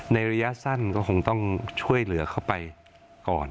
ระยะสั้นก็คงต้องช่วยเหลือเข้าไปก่อน